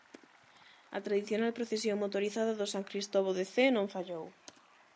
A tradicional procesión motorizada do San Cristovo de Cee non fallou!